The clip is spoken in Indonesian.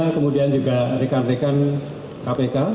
kemudian juga rekan rekan kpk